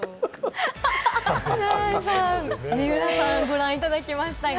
水卜さん、ご覧いただきましたが。